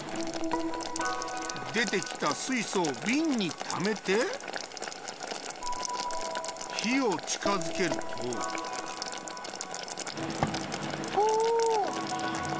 出てきた水素をビンに溜めて火を近づけるとお！